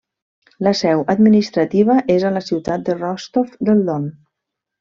La seu administrativa és a la ciutat de Rostov del Don.